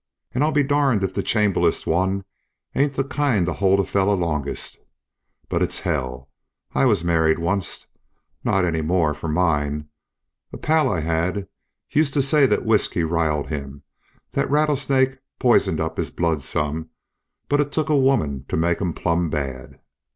An' I'll be darned if the changeablest one ain't the kind to hold a feller longest. But it's h l. I was married onct. Not any more for mine! A pal I had used to say thet whiskey riled him, thet rattlesnake pisen het up his blood some, but it took a woman to make him plumb bad.